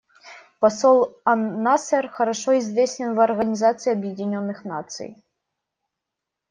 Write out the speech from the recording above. Посол ан-Насер хорошо известен в Организации Объединенных Наций.